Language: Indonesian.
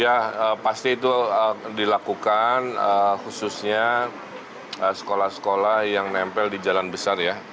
ya pasti itu dilakukan khususnya sekolah sekolah yang nempel di jalan besar ya